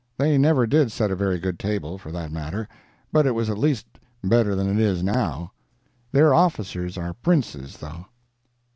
They never did set a very good table, for that matter, but it was at least better than it is now. Their officers are princes, though.